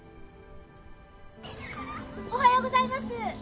おはようございます